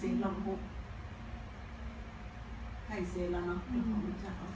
มันออกเข้าเส้นอาทิตย์นักไปอ่ะ